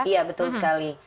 iya betul sekali